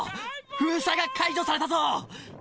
封鎖が解除されたぞー！